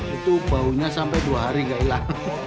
itu baunya sampai dua hari gailah